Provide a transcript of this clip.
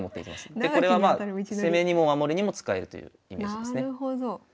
でこれはまあ攻めにも守りにも使えるというイメージですね。